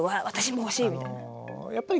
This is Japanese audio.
私も欲しい！みたいな。